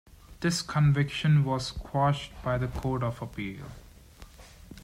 This conviction was quashed by the Court of Appeal.